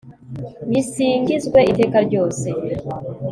nisingizwe iteka ryose